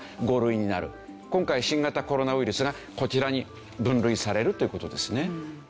今回新型コロナウイルスがこちらに分類されるという事ですね。